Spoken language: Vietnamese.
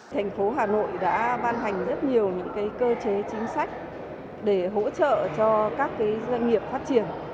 thành phố hà nội đã ban hành rất nhiều những cơ chế chính sách để hỗ trợ cho các doanh nghiệp phát triển